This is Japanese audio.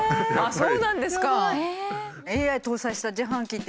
そうなんですか。